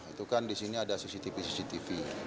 itu kan disini ada cctv cctv